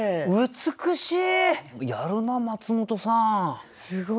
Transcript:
美しい。